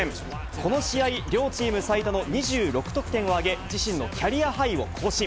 この試合、両チーム最多の２６得点を挙げ、自身のキャリアハイを更新。